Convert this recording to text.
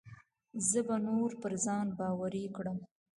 زه به نور پر ځان باوري کړم.